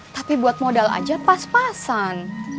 tapi buat modal aja pas pasan